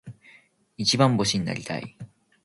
一番星になりたい。